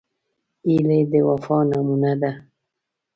هیلۍ د وفا نمونه ده